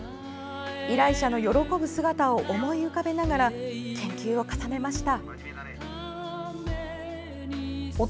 依頼者の喜ぶ姿を思い浮かべながら研究を重ねました。